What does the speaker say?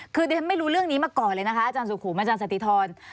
คือเรียนไม่รู้เรื่องนี้มาก่อนเลยนะคะอาจารย์สุขุมอาจารย์สติธร